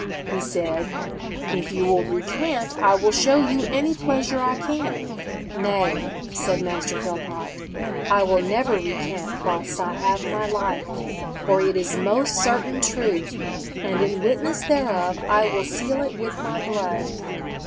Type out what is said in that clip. He said, 'If you will recant I will show you any pleasure I can.' 'Nay,' said Master Philpot, 'I will never recant whilst I have my life, for it is most certain truth, and in witness thereof I will seal it with my blood.'